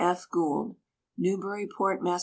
F. GOULD. Newburyport, Mass.